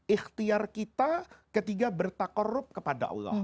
ikhtiar kita ketiga bertakorup kepada allah